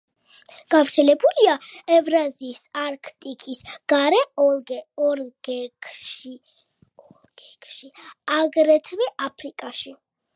გავრცელებულია ევრაზიის არქტიკის გარე ოლქებში, აგრეთვე აფრიკაში.